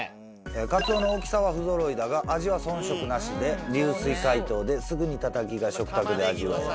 「カツオの大きさはふぞろいだが味は遜色なしで流水解凍ですぐにタタキが食卓で味わえる」。